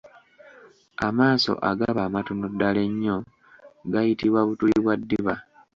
Amaaso agaba amatono ddala ennyo gayitibwa butuli bwa ddiba.